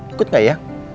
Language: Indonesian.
ikut gak ya